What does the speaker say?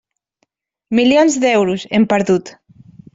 Milions d'euros, hem perdut.